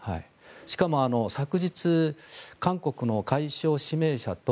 しかも、昨日韓国の外相指名者と